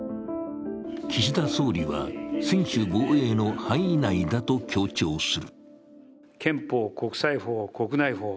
岸田総理は専守防衛の範囲内だと強調する。